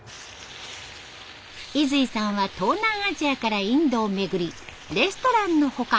泉井さんは東南アジアからインドを巡りレストランの他